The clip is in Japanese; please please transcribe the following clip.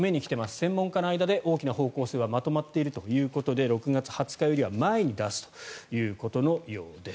専門家の間で大きな方向性はまとまっているということで６月２０日よりは前に出すということのようです。